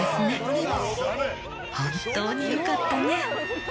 「本当によかったね」